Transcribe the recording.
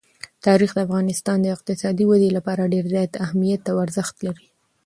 تاریخ د افغانستان د اقتصادي ودې لپاره ډېر زیات اهمیت او ارزښت لري.